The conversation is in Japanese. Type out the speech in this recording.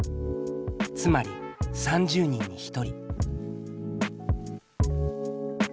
つまり３０人に１人。